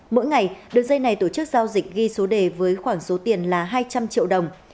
mỗi ngày đường dây này tổ chức giao dịch ghi số đề với khoảng số tiền là hai trăm linh triệu đồng